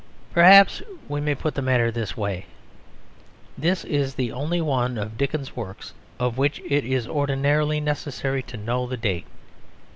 Perhaps we may put the matter this way: this is the only one of Dickens's works of which it is ordinarily necessary to know the date.